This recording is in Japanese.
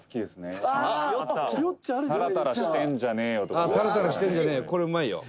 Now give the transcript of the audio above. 「タラタラしてんじゃねよとか」